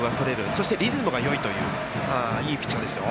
そしてリズムがいいといういいピッチャーですよ。